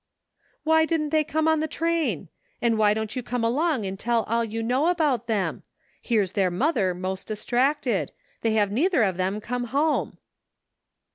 "Why didn't they come on the train? and why don't you come along and tell all you know about them? Here's their mother most dis tracted; they have neither of them come home."